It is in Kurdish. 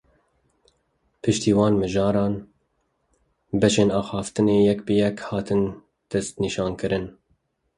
Piştî wan mijaran beşên axaftinê yek bi yek hatine destnîşankirin.